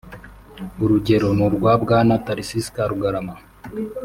urugero n’urwa Bwana Tharcisse Karugarama